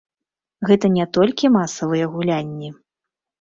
Гэта не толькі масавыя гулянні.